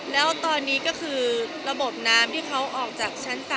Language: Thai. แล้วตอนนี้ก็คือระบบน้ำที่เขาออกจากชั้น๓